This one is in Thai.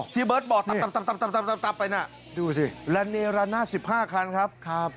ที่เบิร์ดบอร์ดตับไปน่ะดูสิและเนราหน้า๑๕คันครับครับ